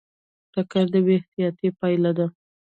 ټکر د بې احتیاطۍ پایله ده.